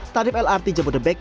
tarif lrt jabodebek